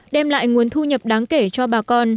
đem lại nguồn thu nhập đáng kể cho bà con